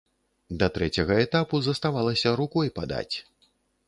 Да трэцяга этапу заставалася рукой падаць.